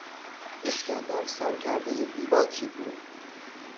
اسکندر سرکردهی بیباکی بود.